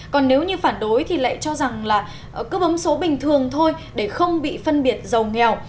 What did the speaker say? còn nếu như phản đối thì lại cho rằng là cứ ứng số bình thường thôi để không bị phân biệt giàu nghèo